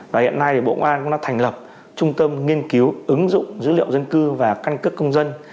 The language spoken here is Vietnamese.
và hiện nay thì bộ công an cũng đã thành lập trung tâm nghiên cứu ứng dụng dữ liệu dân cư và căn cức công dân